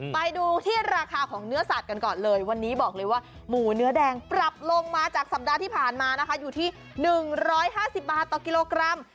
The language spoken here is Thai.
ไปดูที่ราคาของเนื้อสัตว์กันก่อนเลยวันนี้บอกเลยว่าหมูเนื้อแดงปรับลงมาจากสัปดาห์ที่ผ่านมานะคะอยู่ที่๑๕๐บาทต่อกิโลกรัม